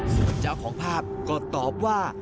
ซึ่งเจ้าของภาพก็ตอบว่า